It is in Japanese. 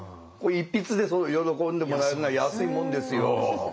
一筆でそう喜んでもらえるなら安いもんですよ。